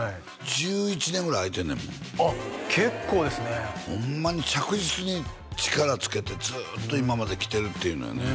１１年ぐらいあいてんねんもんあっ結構ですねホンマに着実に力つけてずっと今まできてるっていうのよね